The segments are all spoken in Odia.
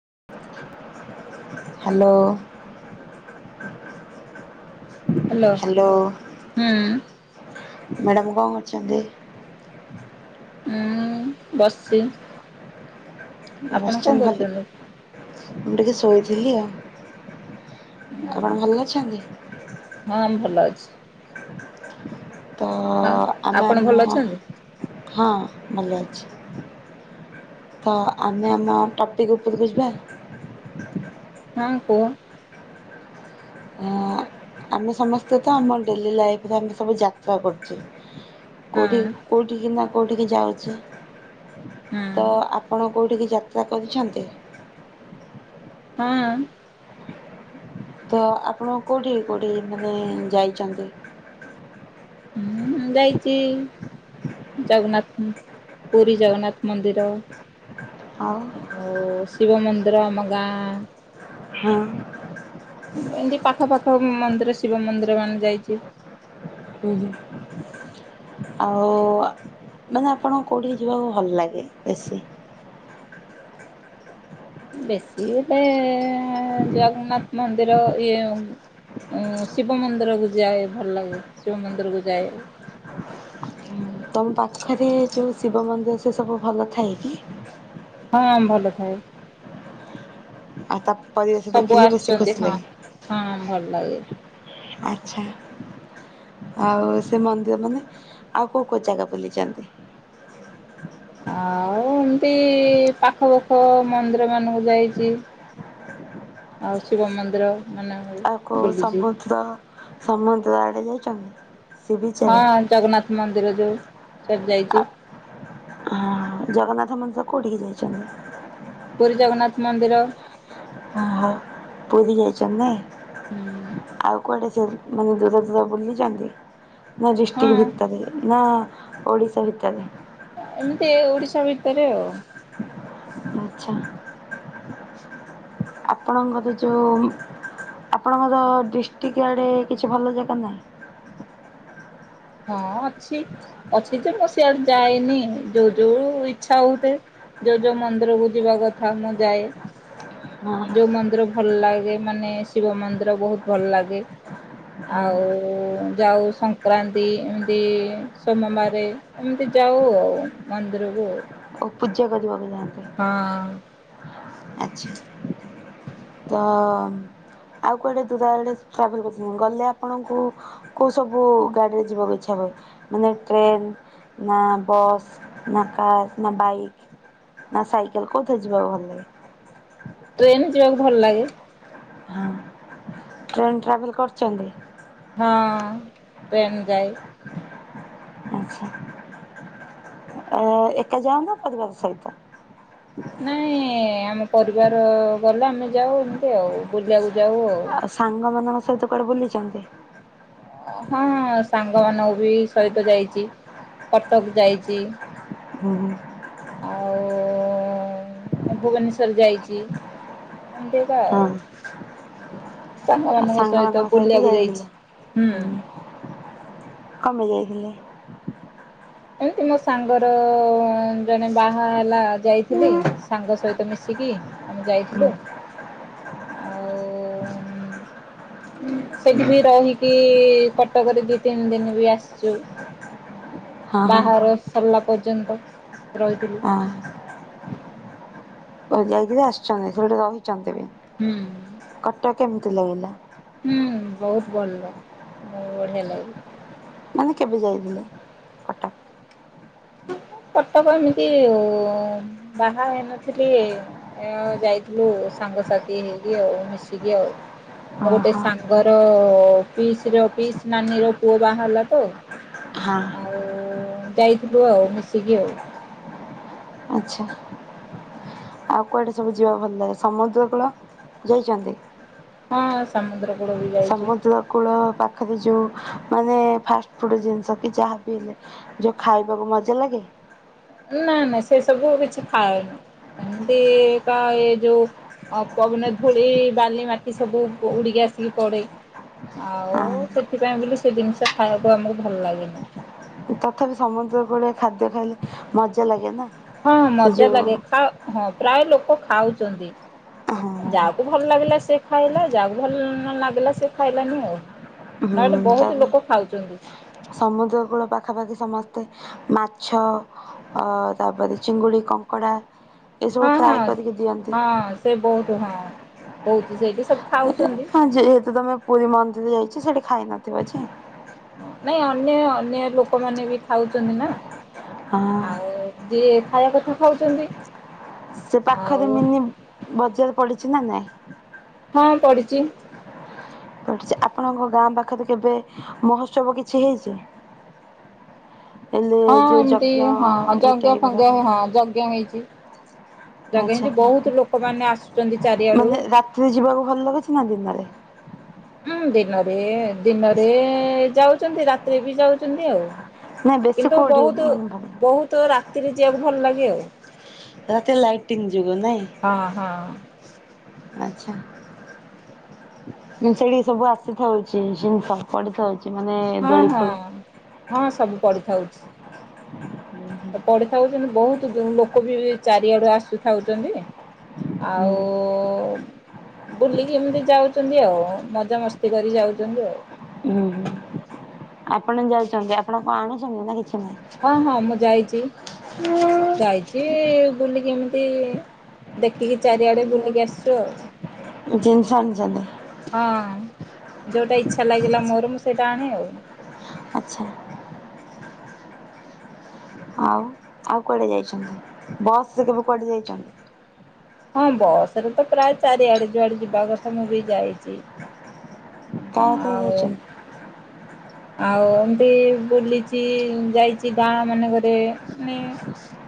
Hello hello. ହ୍ୟାଲୋ ମ୍ୟାଡ଼ାମ ହୁଁ କଣ କରୁଛନ୍ତି? ବସିଚି। ବସିଚନ୍ତି ଖାଲି ମୁଁ ଟିକେ ଶୋଇ ଜୁଲିଆ ଆପଣ ଭଲ ଅଛନ୍ତି? ହଁ ଭଲ ଅଛି। ତ ଆଉ ଆମେ ଆପଣ ଭଲ ଆମ ଅଛନ୍ତି? ହଁ ଭଲ ଅଛି। ହଁ ଆମେ ଆମ ଟପିକ୍ ଉପରକୁ ଯିବା। ହଁ କୁହ। ଅଁ, ଆମେ ସମସ୍ତେ ତ ଆମ ଡେଲି ଲାଇଫ୍ ରେ ଆମେ ସବୁ ଯାତ୍ରା କରୁଚେ ହଁ କୋଉଠି କୋଉଠି କିି ନା କୋଉଠିକି ଯାଉଛି, ହଁ ତ ଆପଣ କୋଉଠିକି ଯାତ୍ରା କରିଛନ୍ତି? ହଁ ତ ଆପଣ କୋଉଠିକି କୋଉଠିକି ମାନେ ଯାଇଚନ୍ତି? ହୁଁ ଯାଇଚି ଜଗନ୍ନାଥ ଉଁ, ପୁରୀ ଜଗନ୍ନାଥ ମନ୍ଦିର। ଆଉ? ଶିବ ମନ୍ଦିର ଆମ ଗାଁ ହଁ। ଏମତି ପାଖ ପାାଖ ମନ୍ଦିର ଶିବ ମନ୍ଦିର ମାନ ଯାଇଚି। ହୁଁ, ହୁଁ। ଆଉ ଅ, ମାନେ ଆପଣ କୋଉଠିକି ଯିବାକୁ ଭଲ ଲାଗେ ବେଶୀ? ବେଶୀ ଏବେ ଜଗନ୍ନାଥ ମନ୍ଦିର ଇଏ ଶିବ ମନ୍ଦିର କୁ ଯାଏ, ଭଲ ଲାଗେ ଶିବ ମନ୍ଦିର କୁ ଯାଏ। ତୋମ ପାଖରେ ଯୋଉ ଶିବ ମନ୍ଦିର ସେ ସବୁ ଭଲ ଥାଏ କି? ହଁ ଭଲ ଥାଏ। ଆ ତାପ ସବୁ ଆସିଚନ୍ତି, ହଁ ହଁ ଭଲ ଲାଗେ। ଆଚ୍ଛା ଆଉ ସେ ମନ୍ଦିର ମାନେ ଆଉ କୋଉ କୋଉ ଜାଗା ବୁଲିଚନ୍ତି? ଆଉ ଏମତି ପାଖ ପାଖ ମନ୍ଦିର ମାନଙ୍କୁ ଯାଇଚି, ଆଉ ଶିବ ମନ୍ଦିର ମାନଙ୍କୁ ବି। ଓ ସମୁଦ୍ର ସମ କୁଆଡେ ଯାଇଚନ୍ତି? ହଁ ଜଗନ୍ନାଥ ମନ୍ଦିର ଯୋଉ। ସିଆରେ ଯାଇଚି। ହଁ ଜଗନ୍ନାଥ ମନ୍ଦିର କୋଉଠିକି ଯାଇଚନ୍ତି? ପୁରୀ ଜଗନ୍ନାଥ ମନ୍ଦିର। ଓହୋ! ପୁରୀ ଯାଇଚନ୍ତି ହୁଁ ନାଇଁ ଆଉ କୁଆଡେ ସେ ମାନେ ଦୂର ଦୂର ବୁଲିଚନ୍ତି? ନା ହଁ ଜୃଷ୍ଟିିକ ଭତ୍ତରେ ନା ଓଡ଼ିଶା ଭିତରେ ଏମିତି ଓଡିଶା ଭିତ ସେରେ ଆଉ ଆଚ୍ଛା। ଆପଣଙ୍କର ଯେଉଁ ଆପଣଙ୍କର ଡିଷ୍ଟ୍ରିକ୍ଟ ଆଡ଼େ କିଛି ଭଲ ଜାଗା ନାହିଁ? ହଁ ଅଛି ଅଛି ଯେ ମୁଁ ସିଆଡେ ଯାଏନି ଯୋଉ ଯୋଉ ଇଚ୍ଛା ହଉଥା ଯୋଉ ଯୋଉ ମନ୍ଦିର କ ଯିବା କଥା ମୁଁ ଯାଏ ହଁ ଯୋଉ ମନ୍ଦିର ଭଲ ଲାଗେ ମାନେ ଶିବ ମନ୍ଦିର ବହୁତ ଭଲ ଲାଗେ ହଁ ଆଉ ଯାଉ ସଂକ୍ରାନ୍ତି ଏମିତି ସୋମବାରେ ଏମିତି ଯାଉ ଆଉ ମନ୍ଦିରକୁ ପୂଜା କରିବ। ହଁ। ଆଛା ତ ଆଉ କୁଆଡେ ଦୂର ଆଡେ ଟ୍ରାଭେଲ କରିଛନ୍ତି ଗଲେ ଆପଣଙ୍କୁ କୋଉ ସବୁ ଗାଡିରେ ଯିବାକୁ ଇଚ୍ଛା ହୁଏ ମାନେ ଟ୍ରେନ ନା ବସ୍ ନା କାର୍ ନା ବାଇକ୍ ନା ସାଇକେଲ କୋଉଥିି ଯିବା ଭଲ ଲାଗେ? ଟ୍ରେନ ଯିବାକୁ ଭଲ ଲାଗେ। ହଁ ଟ୍ରେନ୍ ଟ୍ରାଭେଲ କରୁଛନ୍ତି? ହଁ ଟ୍ରେନ୍ ଯାଇ ଆଚ୍ଛା। ଏ ଏକ ଯା ନାଁ ପରିବାର ସହିତ? ନାଇଁ ଆମ ପରିବାର ଗଲେ ଆମେ ଯାଉ ଏମିତି ଆଉ ବୁଲିବା ବୁଲି ଆଉ ସାଙ୍ଗ ମାନଙ୍କ ସେହିତ କୁଆଡେ ବୁଲିଜାନ୍ତି? ହଁ ସାଙ୍ଗ ମାନଙ୍କୁ ବି ସହିତ ଯାଇଛି କଟକ ଯାଇଛି। ହୁଁ ହୁ। ଭୁବନେଶ୍ଵର ଯାଇଛି ଏମିତିକା ହଁ ଆଉ। ସାଙ୍ଗମାନଙ୍କ ସହିତ ବୁଲିବାକୁ ଯାଇଛି ହୁଁ। କଣ ପାଇଁ ଯାଇଥିଲି। ଏମିତି ମୋ ସାଙ୍ଗର ଜଣେ ବାହା ହେଲା ଯାଇଥିଲି ସାଙ୍ଗ ସହିତ ମିଶିକି ଆମେ ଯାଇଥିଲୁ। ଆଉ ସେଠି ବି ରହିକି କଟକ ଦି ତିନି ଦିନ ବି ଆସିଛୁ। ହଁ ହଁ ବାହାର ସରିଲା ପର୍ଯ୍ୟନ୍ତ ରହିଥିଲୁ। ଓ ଯାଇକିରି ଆସିଛନ୍ତି ସେ ରହିଛନ୍ତି ବି ହୁଁ। କଟକ କେମିତି ଲାଗିଲା? ହୁଁ। ବହୁତ ଭଲ ବହୁତ ବଢ଼ିଆଁ ଲାଗିଲ।। ମାନେ କେବେ ଯାଇଥିଲେ? କଟକ? କଟକ ଏମିତି ବାହା ହେଇନଥିଲି ଯାଇଥିଲୁ ସାଙ୍ଗସାଥି ହେଇକି ଆଉ ମିଶିକି ଆଉ। ମୋର୍ ଗୋଟେ ଓହୋ। ସାଙ୍ଗର ପିସ୍ ର ପିସ୍ ନାନୀ ର ପୁଅ ବାହାହେଲା ତ ହଁ। [unintelligible] ଯିବୁ ଆଉ ମିଶିକି ଆଉ। ଆଛା ଆଉ କୁଆଡେ ସବୁ ଯିବା କୁ ଭଲ ଲାଗେ ସମୁଦ୍ର କୂଳ ଯାଇଛନ୍ତି। ହଁ ସମୁଦ୍ର। କୂଳ ବି ଯାଇଛୁ। ସମୁଦ୍ର କୂଳ ପାଖରେ ଯୋଉ ମାନେ ଫାଷ୍ଟ ଫୁଡ ଜିନିଷ କି ଯାହା ବିି ହେଲେ ଯୋଉ ଖାଇବାକୁ ମଜା ଲାଗେ। ନା ନା ସେ ସବୁ କିଛି ଖାଏନି ଏମିତି କା ଏ ଯୋଉ ପବନ ଧୂଳି ବାଲି ମାଟି ସବୁ ଉଡ଼ିକି ଆସିକି ପଡ଼େ ଆଉ ହଁ ସେଥିପାଇଁ ବୋଲି ସେ ଜିନିଷ ଖାଇବାକୁ ଆମକୁ ଭଲ ଲାଗେନି। ତଥାପି ସମୁଦ୍ର କୂଳେ ଖାଦ୍ୟ ଖାଇଲେ ମଜା ଲାଗେ ନା ହଁ ସେ ମଜା ଯୋଉ ଲାଗେ ଖାଅ ହଁ ପ୍ରାୟ ଲୋକ ଖାଉଛନ୍ତି ହଁ ଯାହାକୁ ଭଲ ଲାଗିଲା ସେ ଖାଇଲା ଯାହାକୁ ଭଲ ନ ଲାଗିଲା ସେ ଖାଇଲାନି ଆଉ। ହୁଁ ନହେଲେ ତ ବହୁତ ଲୋକ ଖାଉଛନ୍ତି ସମୁଦ୍ର କୂଳ ପାଖାପାଖି ସମ ମାଛ ଅ ତାପରେ ଚିଙ୍ଗୁଡ଼ି କଙ୍କଡ଼ା। ଏସବୁ ହଁ ହଁ ଫ୍ରାଏ କରିକି ଦିଅନ୍ତି। ହଁ ସେ ବହୁତ। ହଁ ହଉଛି ସେଇଠି ଖାଉଛନ୍ତି ହଁ ଯେହେତୁ ତମେ ପୁରୀ ମନ୍ଦିର ଯାଇଛ ଖାଇ ନଥିବ ଯେ ନାଇଁ ଅନ୍ୟ ଅନ୍ୟ ଲୋକମାନେ ବି ଖାଉଛନ୍ତି ନା। ହଁ ଆଉ ଯିଏ ଖାଇବା କଥା ଖାଉଛନ୍ତି। ସେ ଆଉ ପାଖରେ ମିନି ବଜାର। ପଡ଼ିଛି ନା ନାଇଁ? ହଁ ପଡିଛି। ପଡ଼ିଛି ଆପଣଙ୍କ ଗାଁ ପାଖରେ କେବେ ମହୋତ୍ସବ କିଛି ହେଇଛି? ହେଲେ ହଁ ଯୋଉ ଏମିତି ଯଜ୍ଞ ହଁ ଏଇ ଜଞ ଟାଇପ ର ଫଜ୍ଞ ହଁ। ଜ୍ଞ ହେଇଛି। ଯଜ୍ଞ ଆଛା ହେଇଛି ବହୁତ ଲୋକମାନେ ଆସୁଛନ୍ତି ଚାରିଆଡୁ ମାନେ ରାତିରେ ଯିବାକୁ ଭଲ ଲାଗୁଛି ନା ଦିନରେ? ହୁଁ ଦିନରେ ଦିନରେ ଯାଉଛନ୍ତି ରାତିରେ ବି ଯାଉଛନ୍ତି ଆଉ। ନାଇଁ ବେଶୀ କିନ୍ତୁ କୋଉଠି ବହୁତ ମାନେ ଭଲ ବହୁତ ରାତିରେ ଯିବାକୁ ଭଲ ଲାଗେ ଆଉ। ରାତି ରେ ଲାଇଟିଙ୍ଗ। ହଁ ହଁ। ଆଚ୍ଛା। ସେଇଠିକି ସବୁ ଆସିଥାଉଛି ଜିନିଷ ପଡିଥାଉଛି। ମାନେ ହଁ ଦୋଳି ହଁ ଫୋଳି। ହଁ ସବୁ ପଡ଼ିଥାଉଚି ଆ ପଡ଼ିଥାଉଚି ଏନ୍ତି ବୋହୁତ ଲୋକ ବି ଚାରିଆଡୁ ଆସୁଥାଉଚନ୍ତି ହୁଁ ଆଉ ବୁଲିକି ଏମତି ଯାଉଚନ୍ତି ଆଉ ମଜାମସ୍ତି କରିକି ଯାଉଚନ୍ତି ଆଉ। ହୁଁ ହୁଁ। ଆପଣ ଯାଇଚନ୍ତି ଆପଣ କଣ ଆଣିଚନ୍ତି ନାଁ କିଛି ନାହିଁ ହଁ ହଁ ମୁଁ ଯାଇଚି। ଯାଇଚି ବୁଲିକି ଏମିତି ଦେଖିକି ଚାରିଆଡ଼େ ବୁଲିକି ଆସିଚୁ ଆଉ। ଜିନିଷ ଆଣିଚନ୍ତି। ହଁ ଯୋଉଟା ଇଚ୍ଛା ଲାଗିଲା ମୋର ମୁଁ ସେଇଟା ଆଣେ ଆଉ। ଆଚ୍ଛା। ଆଉ ଆଉ କୁଆଡ଼େ ଯାଇଚନ୍ତି ବସରେ କେବେ କୁଆଡ଼େ ଯାଇଚନ୍ତି? ହଁ ବସରେ ତ ପ୍ରାୟ ଚାରିଆଡ଼େ ଯୁଆଡ଼େ ଯିବା କଥା ମୁଁ ବି ଯାଇଚି। କା ହାତିରେ ଯାଇଚନି? ଆଉ ଏମତି ବୁଲିଚି ଯାଇଚି ଗାଁମାନଙ୍କରେ ମାନେ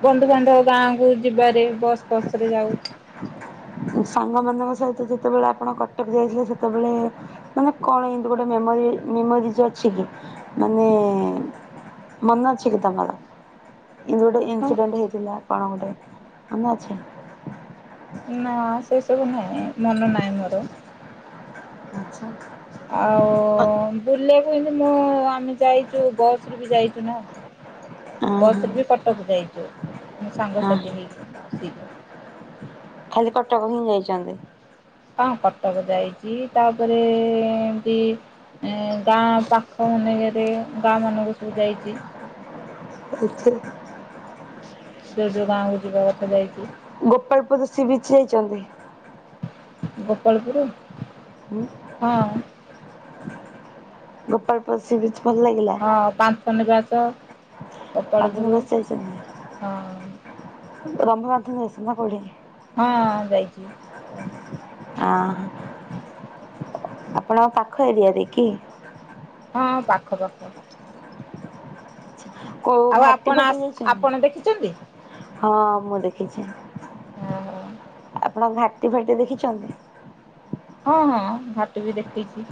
ବନ୍ଧୁବାନ୍ଧବ ଗାଁକୁ ଯିବାରେ ବସ୍ ଫସରେ ଯାଉ। ସାଙ୍ଗମାନଙ୍କ ସହିତ ଯେତୋବେଳେ ଆପଣ କଟକ ଯାଇଥିଲେ ସେତୋବେଳେ ମାନେ କଣ ଏନ୍ତି ଗୋଟେ ମେମୋରି ମେମୋ କଛି ଅଛି କି ମାନେ ମନ ଅଛି କି ତମର? ଏମତି ଗୋଟେ ଇନସିଡେଣ୍ଟ ହେଇଥିଲା କଣ ଗୋଟେ। ଆମ ଅଛି ନାଁ ସେ ସବୁ ନାହିଁ ମନ ନାହିଁ ମୋର। ଆଚ୍ଛା। ଆଉ ହଁ ବୁଲେ। ଏନ୍ତି ମୁଁ ଆମେ ଯାଇଚୁ ବସରେ ବି ଯାଇଚୁ ନାଁ। ହଁ ବସରେ ବି କଟକ ଯାଇ [inaudible] ମୁଁ ସାଙ୍ଗ ହଁ ସାଥି ହେଇକି ବସ୍ ଇ ଖାଲି କଟକ ହିଁ ଯାଇଚନ୍ତି? ହଁ କଟକ ଯାଇଚି ତାପରେ ଏନ୍ତି ଏଁ ଗାଁ ପାଖ ମାନେଙ୍କେରେ ଗାଁମାନଙ୍କୁ ସବୁ ଯାଇଚି। [unintelligible] ଯେବେ ଗାଁକୁ ଯିବା କଥା ଯାଇଚି। ଗୋପାଳପୁର ସି ବିଚ ଯାଇଚନ୍ତି? ଗୋପାଳପୁରୁ? ହୁଁ ହଁ। Gopalpur sea beach? ଭଲ ଲାଗିଲା? ହଁ ପାନ୍ଥ ନିବାସ୍ ତ ଗୋପାଳପୁରୁ ବାନ୍ଧବୀବାସ ଯାଇଛନ୍ତି? ହଁ। ରମ୍ଭା ପାନ୍ଥ ନିବାଶ ନାଁ କୋଉଠିକି? ହଁ ଯାଇଚି। ଏ ଆଉ ଆଁ [inaudible] ଆପଣଙ୍କ ପାଖ ଏରିଆରେ କି? ହଁ ଆମ ପାଖ ପାଖ। କୋଉ ଆଉ ଘାଟି ଆପଣ ଫାଟି ଆସ ଯାଇଚନ୍ତି? ଆପଣ ଦେଖିଛନ୍ତି? ହଁ ମୁଁ ଦେଖିଚି। ହଁ। ଆପଣ ଘାଟି ଫାଟି ଦେଖିଛନ୍ତି? ହଁ ହଁ ଘାଟିବି ଦେଖୀଛି।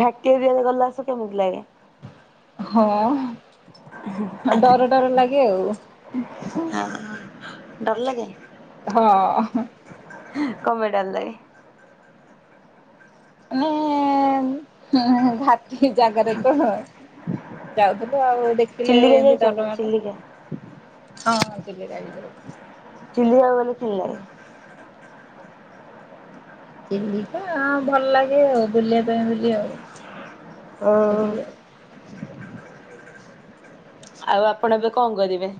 ଘାଟିରିିଆରେ ଗଲାସ କେମିତି ଲାଗେ? ହଁ। ଡର [unintelligible] ଡର ଲାଗେ ଆଉ ହଁ ଡର ଲାଗେ। ହଁ। କଣ ପାଇଁ ଡର ଲାଗେ? ମାନେ ଘାଟି ଜାଗାରେ ତ ଯାଉଥିଲୁ ଆଉ ଦେଖିଲେ ଚିଲିକା ଏମିତି ଡର ଯାଇଛନ୍ତି ମାଡେ ଚିଲିକା। ହଁ ଚିଲକା ବି ଯାଇଛି। ଚିଲିକା ଗଲେ କେନ ଲାଗେ? ଚିଲିକା ଭଲ ଲାଗେ ବୁଲିବା ପାଇଁ ବୁଲି ଆଉ ଓ। ସେଠିକି ଆଉ ଆପଣ ଏବେ କଣ କରିବେ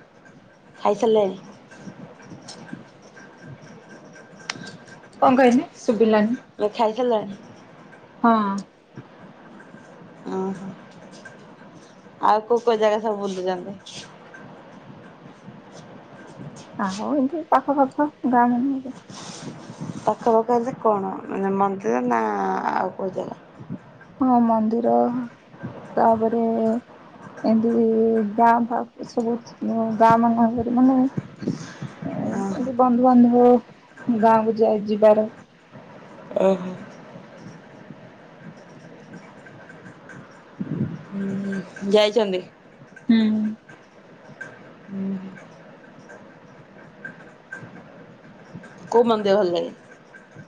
ଖାଇସାରିଲେଣି? କଣ କହିଲେ ସୁ ଶୁଭିଲାନି। ସାରିଲେଣି ହଁ। ଓହୋ। ଆଉ କୋଉ କୋଉ ଜାଗା ସବୁ ବୁଲିଛନ୍ତି? ଆଉ ଏମତି ପାଖ ପାଖ ଗାଁ ମ ପାଖ ପାଖ ହେଲେ କଣ ମାନେ ମନ୍ଦିର ନା ଆଉ କୋଉ ଜାଗା? ହଁ ମନ୍ଦିର ତାପରେ ଏମତି ଗାଁ ସବୁ ଗାଁ ମାନରେ ମାନେ ଓହୋ ଏମତି ବନ୍ଧୁବାନ୍ଧବ ଗାଁକୁ ଯାଇ ଯିବାର ଓହୋ। ହୁଁ ଯାଇଛନ୍ତି। ହୁଁ। କୋଉ ମନ୍ଦିର ଭଲ ଲାଗେ?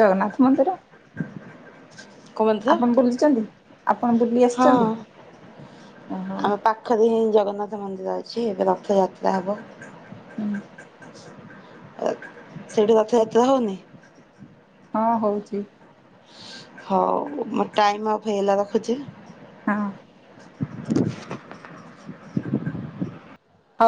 ଜଗନ୍ନାଥ ମନ୍ଦିର। କୋଉ ମନ୍ଦିର ଆପଣ ବୁଲିଛନ୍ତି ଆପଣ ବୁଲି ହଁ ଆସିଛନ୍ତି ଓହୋ ଆମ ପାଖରେ ହିଁ ଜଗନ୍ନାଥ ରଥ ମନ୍ଦିର ଅଛି ଏବେ ରଥଯାତ୍ରା ହେବ। ହୁଁ ସେଇଠୁ ରଥଯାତ୍ରା ହଉନି? ହଁ ହଉଛି। ହଉ ମୋ ଟାଇମ ଅଫ୍ ହେଇଗଲା ରଖୁଛି। ହଁ।